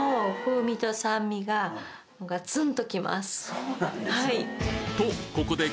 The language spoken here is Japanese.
そうなんですか？